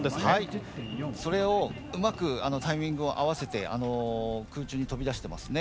それを、うまくタイミングを合わせて空中に飛び出してますね。